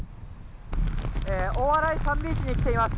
大洗サンビーチに来ています。